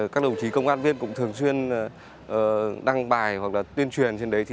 các đồng chí công an viên cũng thường xuyên đăng bài hoặc là tuyên truyền trên đấy